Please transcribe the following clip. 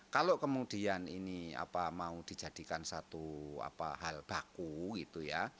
kalau kemudian ini mau dijadikan satu hal baku gitu ya